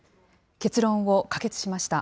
結論を可決しました。